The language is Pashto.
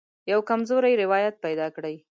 یوه کمزوری روایت پیدا کړي.